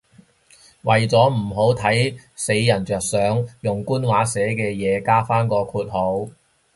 為咗唔好睇死人着想，用官話寫嘅嘢加返個括號